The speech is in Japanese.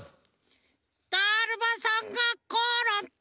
だるまさんがころんだ！